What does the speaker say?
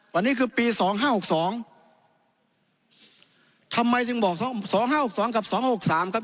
วันนี้คือปีสองห้าหกสองทำไมจึงบอกสองสองห้าหกสองกับสองหกสามครับ